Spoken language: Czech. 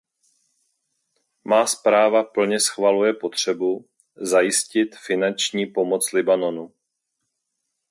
Má zpráva plně schvaluje potřebu zajistit finanční pomoc Libanonu.